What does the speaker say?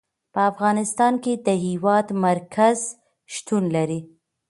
په افغانستان کې د هېواد مرکز شتون لري.